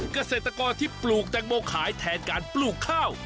เกษตรกรที่ปลูกแตงโมขายแทนการปลูกข้าว